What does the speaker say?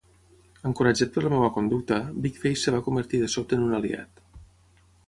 Encoratjat per la meva conducta, Big-Face es va convertir de sobte en un aliat.